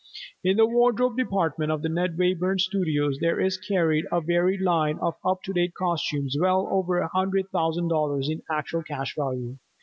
In the wardrobe department of the Ned Wayburn Studios there is carried a varied line of up to date costumes well over a hundred thousand dollars in actual cash value.